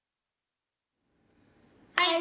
はい！